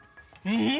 うん！